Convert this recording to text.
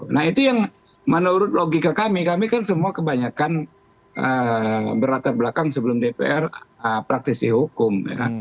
nah itu yang menurut logika kami kami kan semua kebanyakan berlatar belakang sebelum dpr praktisi hukum